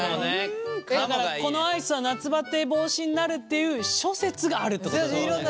このアイスは夏バテ防止になるっていう諸説があるってこと。